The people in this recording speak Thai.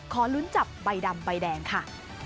ขอลุ้นจับใบดำใบแดงค่ะ